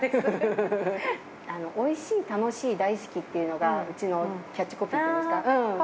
おいしい・楽しい・だいすき！っていうのがうちのキャッチコピーっていうんですか。